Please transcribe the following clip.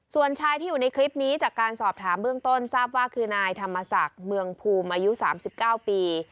ส่วนชายที่อยู่ในคลิปนี้จากการสอบถามเบื้องต้นทราบว่าคือนายธรรมศักดิ์เมืองภูมิอายุ๓๙ปี